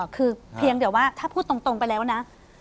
คือเพียงแต่ว่าถ้าพูดตรงไปแล้วนะ